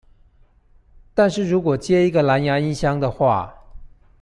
但是如果接一個藍芽音箱的話